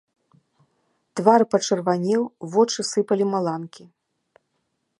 Твар пачырванеў, вочы сыпалі маланкі.